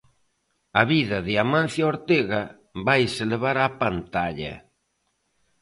A vida de Amancio Ortega vaise levar á pantalla.